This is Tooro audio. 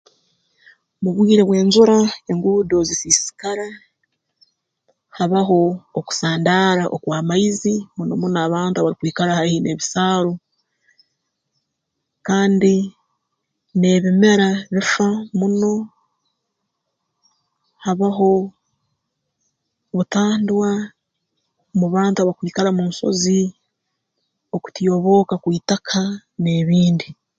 Mu bwire bw'enjura enguudo zisiisikara habaho okusandara okw'amaizi muno muno abantu abarukwikara haihi n'ebisaaru kandi n'ebimera bifa muno habaho butandwa mu bantu abakwikara mu nsozi okutyobooka kw'itaka n'ebindi